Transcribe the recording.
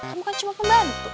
kamu kan cuma pembantu